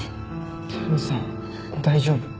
照井さん大丈夫？